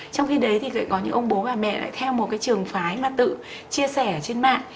trong khi đấy thì lại có những ông bố và mẹ lại theo một cái trường phái mà tự chia sẻ ở trên mạng